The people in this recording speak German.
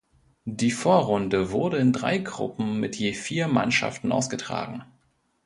Die Vorrunde wurde in drei Gruppen mit je vier Mannschaften ausgetragen.